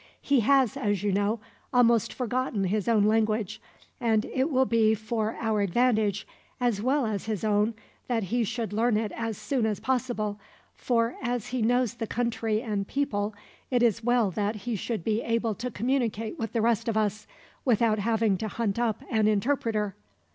He has, as you know, almost forgotten his own language; and it will be for our advantage, as well as his own, that he should learn it as soon as possible; for as he knows the country and people, it is well that he should be able to communicate with the rest of us, without having to hunt up an interpreter.